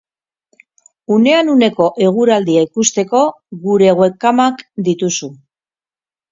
Unean uneko eguraldia ikusteko, gure webkamak dituzu.